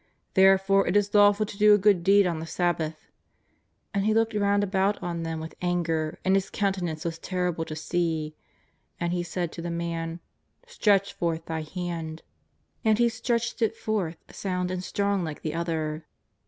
Therefore it is lawful to do a good deed on the Sab bath." And He looked round about on them with anger, and His countenance was terrible to see. And He said to the man: " Stretch forth thy hand." And he stretched it forth sound and strong like the other.